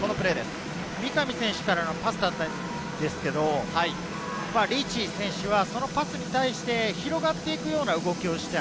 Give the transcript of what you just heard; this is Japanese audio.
三上選手からのパスだったんですけれど、リーチ選手はそのパスに対して、広がっていくような動きをした。